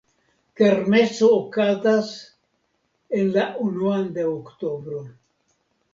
Kermeso okazas en la unuan de oktobro.